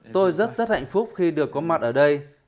tôi rất rất hạnh phúc khi được có mặt ở đây